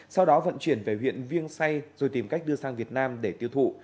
sau đó vận chuyển về huyện viêng say rồi tìm cách đưa sang việt nam để tiêu thụ